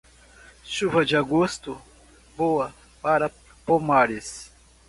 Chuva de agosto, boa para pomares.